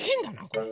これ。